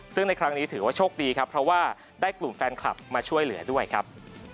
ซึ่งในครั้งนี้ถือว่าโชคดีครับเพราะว่าได้กลุ่มแฟนคลับมาช่วยเหลือด้วยครับ